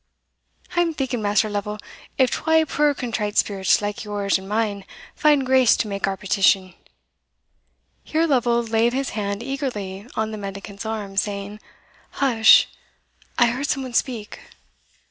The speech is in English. I am thinking, Maister Lovel, if twa puir contrite spirits like yours and mine fand grace to make our petition" Here Lovel laid his hand eagerly on the mendicant's arm, saying, "Hush! I heard some one speak."